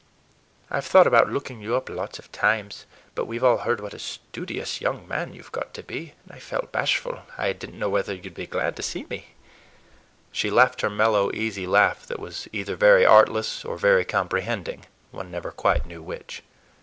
I've thought about looking you up lots of times. But we've all heard what a studious young man you've got to be, and I felt bashful. I did n't know whether you'd be glad to see me." She laughed her mellow, easy laugh, that was either very artless or very comprehending, one never quite knew which.